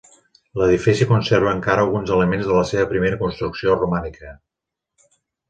L'edifici conserva encara alguns elements de la seva primera construcció romànica.